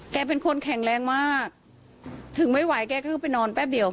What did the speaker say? แกเป็นคนแข็งแรงมากถึงไม่ไหวแกก็คือไปนอนแป๊บเดียว